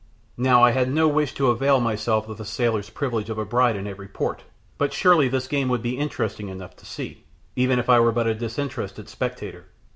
Now I had no wish to avail myself of a sailor's privilege of a bride in every port, but surely this game would be interesting enough to see, even if I were but a disinterested spectator.